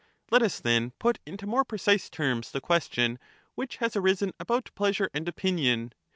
Let us then put into more precise terms the question which has arisen about pleasure and opinion.